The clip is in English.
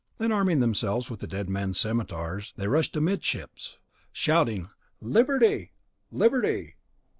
Then arming themselves with the dead men's scimetars, they rushed amidships, shouting "Liberty! Liberty!"